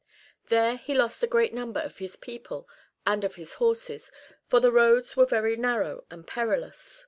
There he lost a great number of his people and of his horses, for the roads were very narrow and perilous.